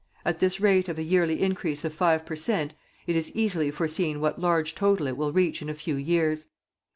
At this rate of a yearly increase of five per cent., it is easily foreseen what large total it will reach in a few years.